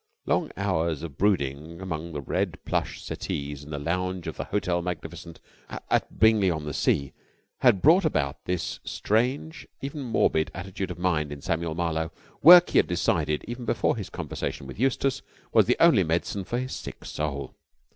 Long hours of brooding among the red plush settees in the lounge of the Hotel Magnificent at Bingley on the Sea had brought about this strange, even morbid, attitude of mind in Samuel Marlowe. Work, he had decided even before his conversation with Eustace, was the only medicine for his sick soul.